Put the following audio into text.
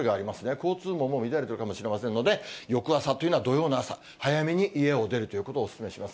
交通網も乱れているかもしれませんので、翌朝というのは土曜の朝、早めに家を出るということをお勧めします。